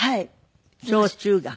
小中学か。